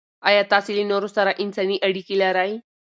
آیا تاسې له نورو سره انساني اړیکې لرئ؟